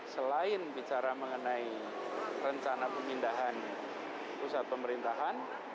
selain bicara mengenai rencana pemindahan pusat pemerintahan